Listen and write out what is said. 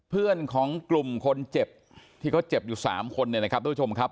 เพื่อนของกลุ่มคนเจ็บที่เขาเจ็บอยู่๓คนเนี่ยนะครับทุกผู้ชมครับ